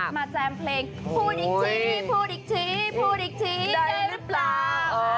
แจมเพลงพูดอีกทีพูดอีกทีพูดอีกทีได้หรือเปล่า